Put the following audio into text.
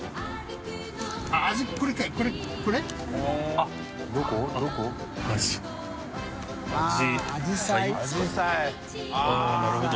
あぁなるほど。